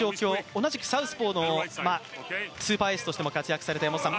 同じくサウスポーのスーパーエースとしても活躍された山本さん